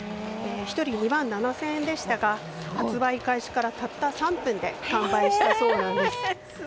１人、２万７０００円でしたが発売開始からたった３分で完売したそうなんです。